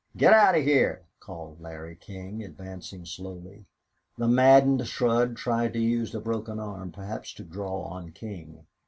"Get out of heah!" called Larry King, advancing slowly. The maddened Shurd tried to use the broken arm, perhaps to draw on King.